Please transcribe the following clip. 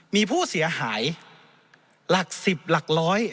มีผู้เสียหายหลัก๑๐หลักร้อย